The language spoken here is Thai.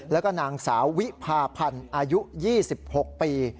แล้วก็นางสาววิพาพันธ์อายุ๒๖ปี